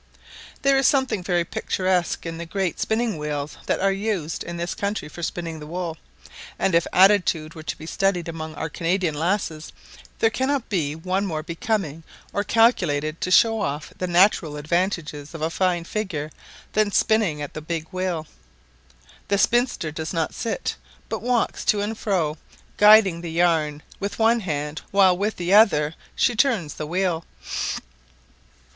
There is something very picturesque in the great spinning wheels that are used in this country for spinning the wool, and if attitude were to be studied among our Canadian lasses, there cannot be one more becoming, or calculated to show off the natural advantages of a fine figure, than spinning at the big wheel. The spinster does not sit, but walks to and fro, guiding the yarn with one hand while with the other she turns the wheel.